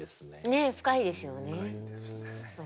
ねえ深いですよね。